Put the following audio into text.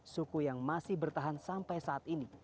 suku yang masih bertahan sampai saat ini